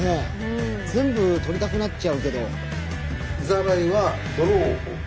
全部取りたくなっちゃうけど。